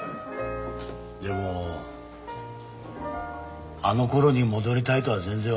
でもあのころに戻りたいとは全然思わないな。